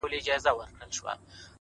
چي كورنۍ يې ـ